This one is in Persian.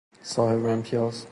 صاحب امتیاز